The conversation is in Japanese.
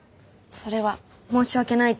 それは申し訳ないと。